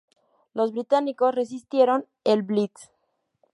Los británicos resistieron el Blitz.